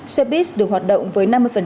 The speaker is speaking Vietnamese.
xe bus được hoạt động với năm mươi